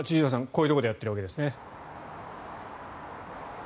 こういうところでやっているわけですね。